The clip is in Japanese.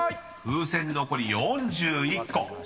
［風船残り４１個。